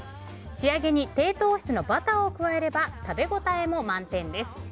仕上げに低糖質のバターを加えれば食べ応えも満点です。